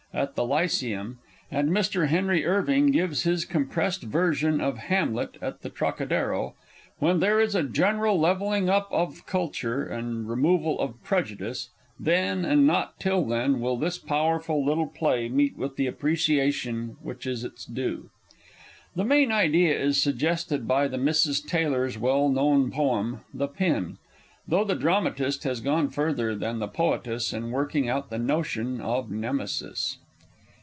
_" at the Lyceum, and Mr. Henry Irving gives his compressed version of Hamlet at the Trocadero; when there is a general levelling up of culture, and removal of prejudice then, and not till then, will this powerful little play meet with the appreciation which is its due. The main idea is suggested by the Misses Taylor's well known poem, The Pin, though the dramatist has gone further than the poetess in working out the notion of Nemesis.